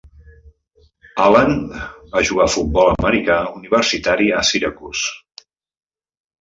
Allen va jugar a futbol americà universitari a Syracuse.